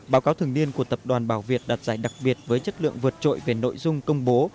báo cáo thường niên của tập đoàn bảo việt đạt giải đặc biệt với chất lượng vượt trội về nội dung công bố